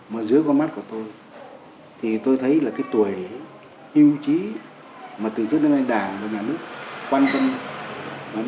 mà dưới con mắt của tôi thì tôi thấy là cái tuổi yêu trí mà từ trước đến nay đảng và nhà nước quan tâm